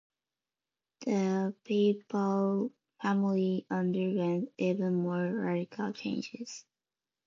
The Papal Family underwent even more radical changes.